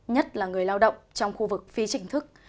nhất là người lao động trong khu vực phi chính thức